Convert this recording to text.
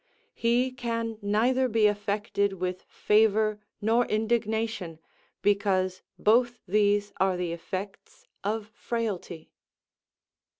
_ "He can neither be affected with favour nor indignation, because both these are the effects of frailty."